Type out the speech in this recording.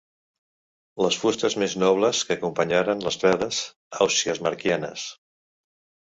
Les fustes més nobles que acompanyaren les veles ausiasmarquianes.